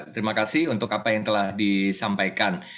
terima kasih untuk apa yang telah disampaikan